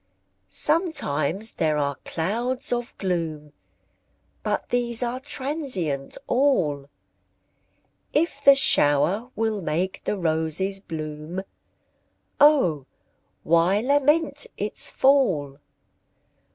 Sometimes there are clouds of gloom, But these are transient all; If the shower will make the roses bloom, O why lament its fall?